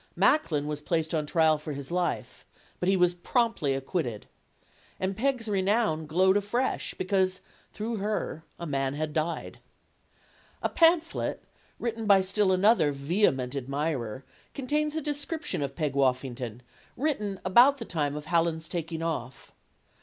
Macklin was placed on trial for his life. But he was promptly acquitted. And Peg's renown glowed afresh, because, through her, a man had died. A pamphlet, written by still another vehement ad mirer, contains a description of Peg Woffington, written about the time of Hallam's taking off.